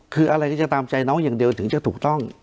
คืออะไรก็จะตามใจน้องอย่างเดียวถึงจะถูกต้อง